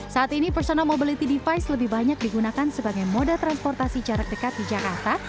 saat ini personal mobility device lebih banyak digunakan sebagai moda transportasi jarak dekat di jakarta